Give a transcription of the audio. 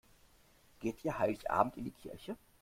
Geht ihr Heiligabend in die Kirche?